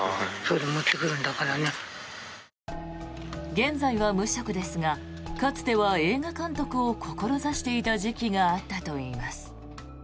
現在は無職ですがかつては映画監督を志していた時期があったといいます。